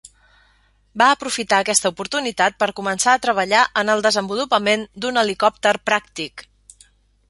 Va aprofitar aquesta oportunitat per començar a treballar en el desenvolupament d'un helicòpter pràctic.